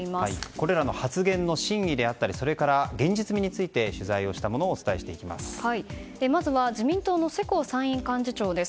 これらの発言の真意であったりそれから現実味について取材をしたものをまずは自民党の世耕参院幹事長です。